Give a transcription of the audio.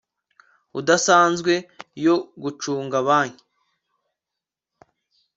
udasanzwe yo gucunga banki